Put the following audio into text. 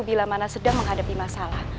bila mana sedang menghadapi masalah